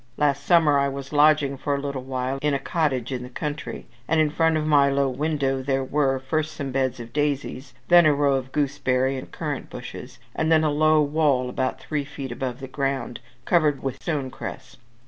Last summer I was lodging for a little while in a cottage in the country, and in front of my low window there were, first some beds of daisies, then a row of gooseberry and currant bushes, and then a low wall about three feet above the ground, covered with stone cress.